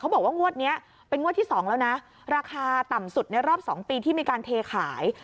บอกว่างวดนี้เป็นงวดที่๒แล้วนะราคาต่ำสุดในรอบ๒ปีที่มีการเทขาย